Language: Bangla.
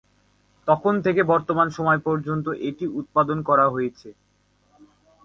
তখন থেকে বর্তমান সময় পর্যন্ত এটি উৎপাদন করা হয়েছে।